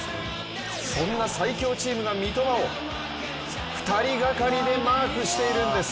そんな最強チームが三笘を二人がかりでマークしているんです。